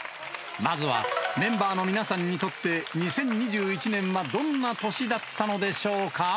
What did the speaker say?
まずは、メンバーの皆さんにとって、２０２１年はどんな年だったのでしょうか？